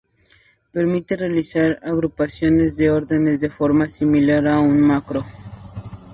Permite realizar agrupaciones de órdenes de forma similar a una macro.